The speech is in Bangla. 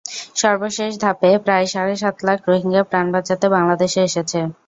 সর্বশেষ ধাপে প্রায় সাড়ে সাত লাখ রোহিঙ্গা প্রাণ বাঁচাতে বাংলাদেশে এসেছে।